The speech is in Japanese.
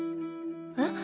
えっ？